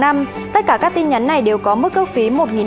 tất cả các tin nhắn này đều có mức cước phí một